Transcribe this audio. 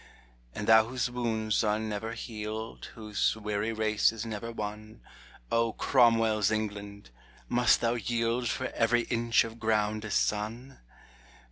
And thou whose wounds are never healed, Whose weary race is never won, O Cromwell's England ! must thou yield For every inch of ground a son